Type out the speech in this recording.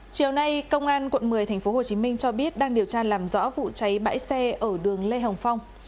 chiều nay công an quận một mươi tp hcm cho biết đang điều tra làm rõ vụ cháy bãi xe ở đường lê hồng phong